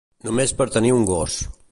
Només per tenir un gos.